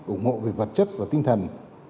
ủng hộ về vật chất và tinh thần